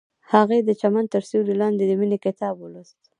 هغې د چمن تر سیوري لاندې د مینې کتاب ولوست.